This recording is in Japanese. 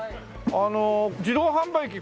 あの自動販売機